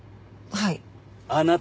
はい。